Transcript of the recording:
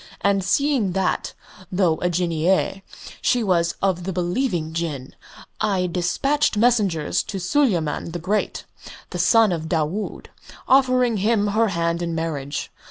And seeing that, though a Jinneeyeh, she was of the believing Jinn, I despatched messengers to Suleyman the Great, the son of Daood, offering him her hand in marriage.